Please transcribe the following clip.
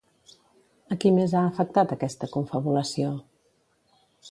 A qui més ha afectat aquesta confabulació?